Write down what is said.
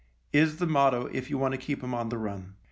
" is the motto if you want to keep 'em on the run.